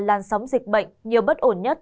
làn sóng dịch bệnh nhiều bất ổn nhất